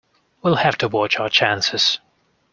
We'll have to watch our chances.